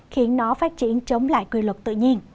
khiến nó phát triển chống lại quy luật